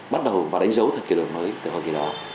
bắt đầu và đánh dấu thời kỷ đổi mới từ hồi kỳ đó